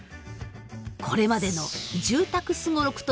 これまでの住宅すごろくとは違い